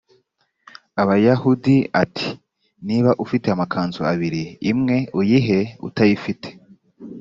abayahudi ati niba ufite amakanzu abiri imwe uyihe utayifite